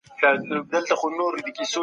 اقتصادي نظام بايد پر انصاف ولاړ وي.